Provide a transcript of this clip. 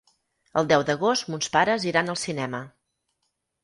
El deu d'agost mons pares iran al cinema.